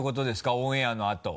オンエアのあと。